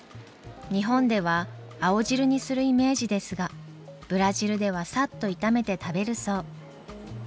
日本では青汁にするイメージですがブラジルではサッと炒めて食べるそう。